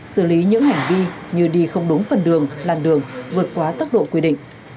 xử lý những hành vi như đi không đúng phần đường làn đường vượt quá tốc độ quy định